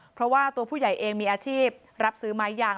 เพราะว่าตัวผู้ใหญ่เองมีอาชีพรับซื้อไม้ยาง